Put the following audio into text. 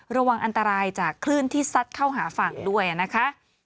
ระวังอันตรายจากคลื่นที่ซัดเข้าหาฝั่งด้วยนะคะ